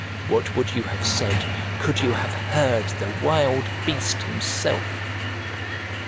what would you have said, could you have heard the wild beast himself?"